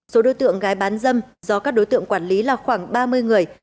số đối tượng gái bán dâm do các đối tượng quản lý là khoảng ba mươi người